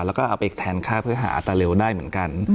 แล้วก็เอาไปแทนค่าเพื่อหาอัตราเร็วได้เหมือนกัน